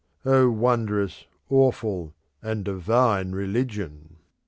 O wondrous, awful, and divine religion!